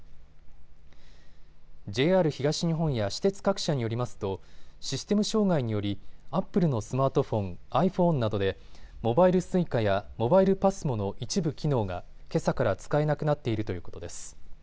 ＪＲ東日本や私鉄各社によりますとシステム障害によりアップルのスマートフォン、ｉＰｈｏｎｅなどでモバイルＳｕｉｃａやモバイルＰＡＳＭＯの一部機能がけさから使えなくなっているということです。